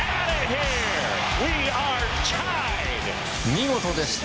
見事でした。